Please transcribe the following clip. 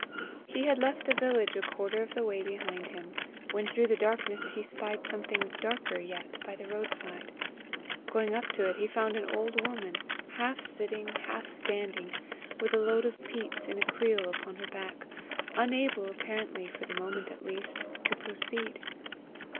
He had left the village a quarter of the way behind him, when through the darkness he spied something darker yet by the roadside. Going up to it, he found an old woman, half sitting, half standing, with a load of peats in a creel upon her back, unable, apparently, for the moment at least, to proceed.